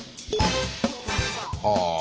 はあ。